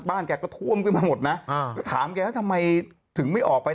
แกก็ท่วมขึ้นมาหมดนะถามแกแล้วทำไมถึงไม่ออกไป